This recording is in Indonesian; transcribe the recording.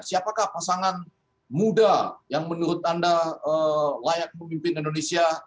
siapakah pasangan muda yang menurut anda layak memimpin indonesia